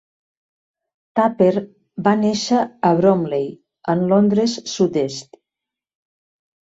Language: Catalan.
Tapper va néixer a Bromley, en Londres sud-est.